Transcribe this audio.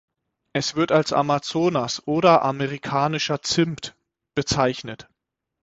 Es wird als "Amazonas" oder "Amerikanischer Zimt" bezeichnet.